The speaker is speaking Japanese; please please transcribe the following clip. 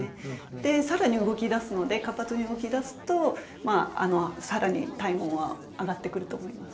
で更に動きだすので活発に動きだすと更に体温は上がってくると思います。